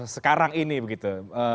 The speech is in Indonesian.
sekarang ini begitu